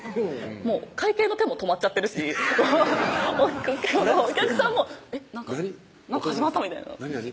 もう会計の手も止まっちゃってるしお客さんも「えっ？何か始まった」みたいな「何？何？」